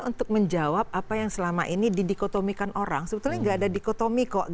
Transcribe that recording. untuk menjawab apa yang selama ini didikotomikan orang sebetulnya nggak ada dikotomi kok